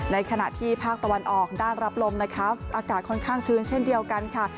ในขณะที่ภาคตะวันออกด้านรับลมนะคะอากาศค่อนข้างชื้นเช่นเดียวกันค่ะ